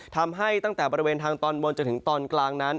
ทำให้ตั้งแต่บริเวณทางตอนบนจนถึงตอนกลางนั้น